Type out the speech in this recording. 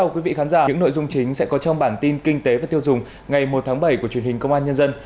chào mừng quý vị đến với bản tin kinh tế và tiêu dùng ngày một tháng bảy của truyền hình công an nhân dân